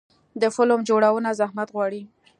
د فلم جوړونه زحمت غواړي.